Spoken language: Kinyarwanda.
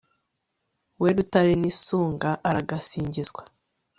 we rutare nisunga, aragasingizwa